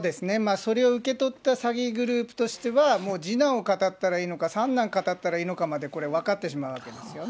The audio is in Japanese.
それを受け取った詐欺グループとしては、もう次男をかたったらいいのか、三男かたったらいいのかまでこれ、分かってしまうわけなんですよね。